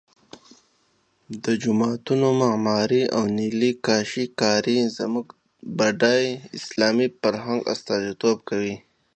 د جوماتونو معمارۍ او نیلي کاشي کاري زموږ د بډای اسلامي فرهنګ استازیتوب کوي.